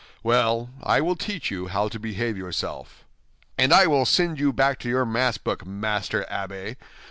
Well, I will teach you how to behave yourself." "And I will send you back to your Mass book, Master Abbé.